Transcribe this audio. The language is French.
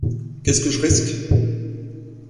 Qu’est-ce que je risque ?